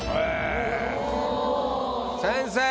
先生。